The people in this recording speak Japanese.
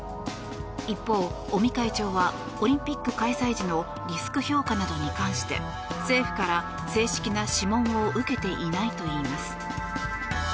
一方、尾身会長はオリンピック開催時のリスク評価などに関して政府から正式な諮問を受けていないといいます。